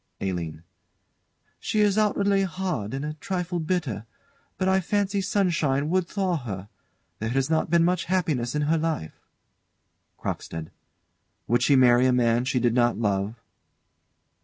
ALINE. She is outwardly hard, and a trifle bitter, but I fancy sunshine would thaw her. There has not been much happiness in her life. CROCKSTEAD. Would she marry a man she did not love?